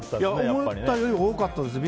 思ったより多かったですね。